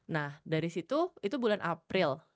nah dari situ itu bulan april